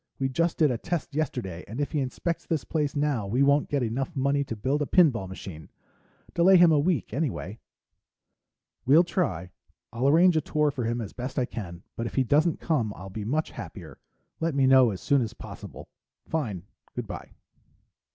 We just did a test yesterday and if he inspects this place now, we won't get enough money to build a pinball machine. Delay him a week, anyway.... "Well, try. I'll arrange a tour for him as best I can, but if he doesn't come, I'll be much happier. Let me know as soon as possible. Fine. Good by."